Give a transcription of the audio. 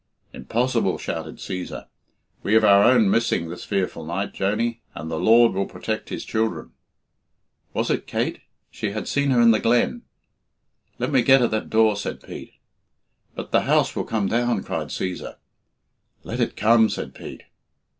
"Impossible!" shouted Cæsar. "We've our own missing this fearful night, Joney, and the Lord will protect His children." Was it Kate? She had seen her in the glen "Let me get at that door," said Pete. "But the house will come down," cried Cæsar. "Let it come," said Pete.